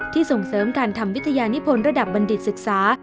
ส่งเสริมการทำวิทยานิพลระดับบัณฑิตศึกษา